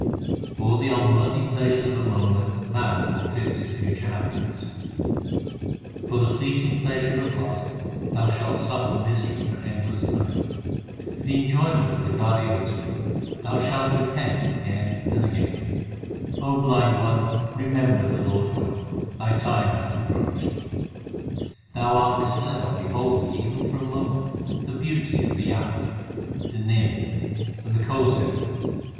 For the unworthy pleasures of a moment man forfeits his future happiness : For the fleeting pleasure of lust, thou shalt suffer misery for endless time. For the enjoyment of a ghari or two, thou shalt repent again and again. 1 By protecting me who am Thine own. HYMNS OF GURU ARJAN 309 blind one, remember the Lord God ; Thy time hath approached. Thou art misled on beholding even for a moment the beauty of the akk, the nim, and the colocynth.